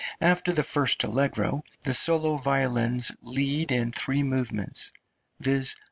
After the first allegro, the solo violins lead in three movements, viz.